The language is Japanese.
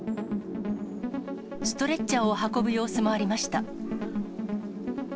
ストレッチャーを運ぶ様子もありました。